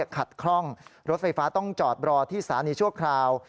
ขัดคล่องรถไฟฟ้าต้องจอดรอที่สถานีชั่วคราว